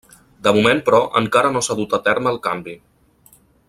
De moment, però, encara no s'ha dut a terme el canvi.